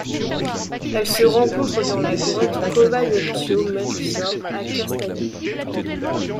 Elle se rencontre dans la grotte Cova del Tío Melxor à Castalla.